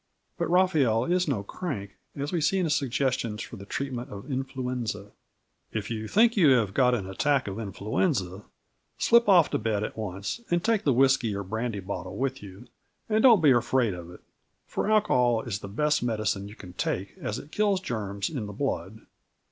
But Raphael is no crank, as we see in his suggestion for the treatment of influenza: "If you think you have got an attack of influenza slip off to bed at once and take the whisky or brandy bottle with you, and don't be afraid of it, for alcohol is the best medicine you can take as it kills the germs in the blood.